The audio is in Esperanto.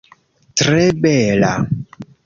Tre bela!